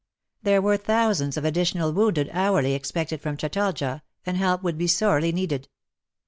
There were thousands of additional wounded hourly expected from Chatalja, and help would be sorely needed.